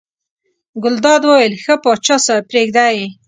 ګلداد وویل ښه پاچا صاحب پرېږده یې.